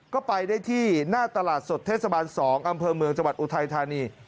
ก็ไปได้ที่หน้าตลาดสดเทศบาล๒อำเภอเมืองจังหวัดอุทัยธานี